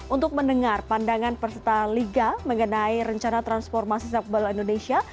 untuk mendengar pandangan perserta liga mengenai rencana transformasi sepak bola indonesia